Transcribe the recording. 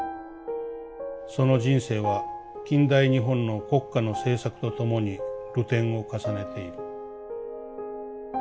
その人生は近代日本の国家の政策とともに流転を重ねている。